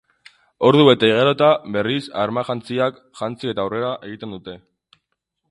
Ordu bete igarota, berriz armajantziak jantzi eta aurrera egiten dute.